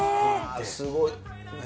すごいね。